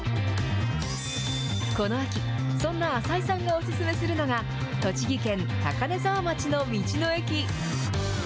この秋、そんな浅井さんがお勧めするのが、栃木県高根沢町の道の駅。